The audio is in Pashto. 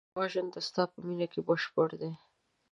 زما ژوند د ستا په مینه کې بشپړ دی.